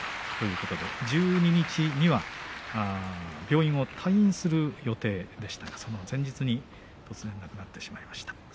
１２日は病院を退院する予定でしたがその前日に突然亡くなってしまいました。